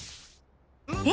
え！